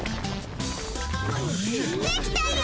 できたよ！